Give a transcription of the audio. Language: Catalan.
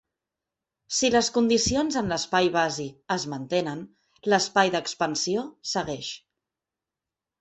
Si les condicions en l'espai basi es mantenen, l'espai d'expansió segueix.